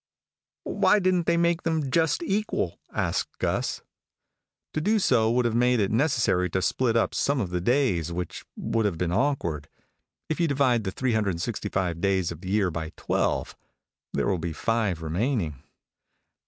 "Why didn't they make them just equal?" asked Gus. "To do so would have made it necessary to split up some of the days, which would have been awkward. If you divide the 365 days of the year by twelve, there will be five remaining."